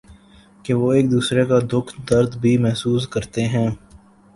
کہ وہ ایک دوسرے کا دکھ درد بھی محسوس کرتے ہیں ۔